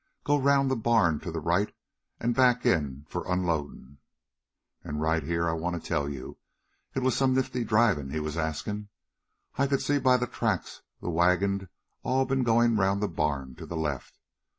Go 'round the barn to the right an' back in for unloadin'.' "An' right here I wanta tell you it was some nifty drivin' he was askin'. I could see by the tracks the wagons'd all ben goin' around the barn to the left.